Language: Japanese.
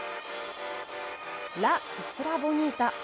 「ラ・イスラ・ボニータ」